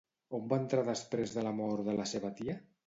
On va entrar després de la mort de la seva tia ?